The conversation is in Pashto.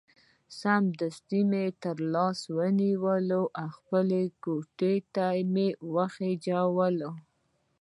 سمدستي به مې تر لاس ونیول او خپلې کوټې ته به مې وخېژول.